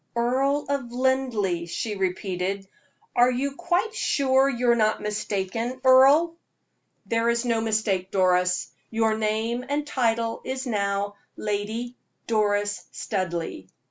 "Earl of Linleigh?" she repeated. "Are you quite sure you are not mistaken, Earle?" "There is no mistake, Doris; your name and title is now Lady Doris Studleigh.